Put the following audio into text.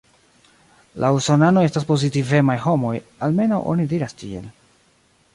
La Usonanoj estas pozitivemaj homoj, almenaŭ oni diras tiel.